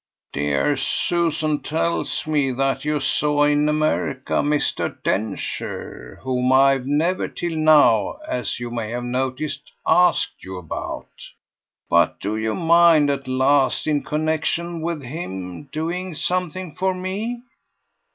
"Dear Susan tells me that you saw in America Mr. Densher whom I've never till now, as you may have noticed, asked you about. But do you mind at last, in connexion with him, doing something for me?"